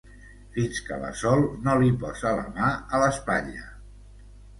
Fins que la Sol no li posa la mà a l'espatlla.